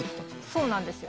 そうなんですよ。